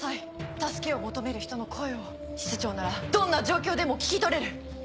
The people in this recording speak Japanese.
助けを求める人の声を室長ならどんな状況でも聞き取れる。